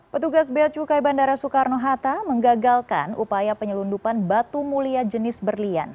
petugas beacukai bandara soekarno hatta menggagalkan upaya penyelundupan batu mulia jenis berlian